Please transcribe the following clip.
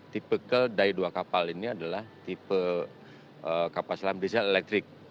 tipikal dari dua kapal ini adalah tipe kapal selam diesel elektrik